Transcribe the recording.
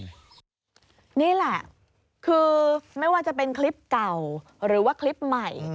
นี่แหละคือไม่ว่าจะเป็นคลิปเก่าหรือว่าคลิปใหม่